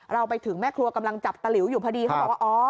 เราไปถึงแม่ครัวกำลังจับตะหลิวอยู่พอดีเขาบอกว่าอ๋อ